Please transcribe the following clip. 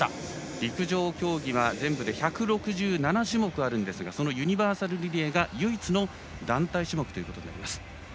陸上競技は全部で１６７種目あるんですがユニバーサルリレーが唯一の団体種目となります。